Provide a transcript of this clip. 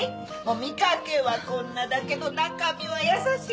見かけはこんなだけど中身は優しい！